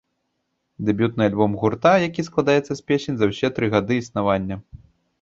Дэбютны альбом гурта, які складаецца з песень за ўсе тры гады існавання.